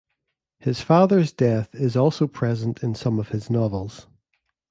His father's death is also present in some of his novels.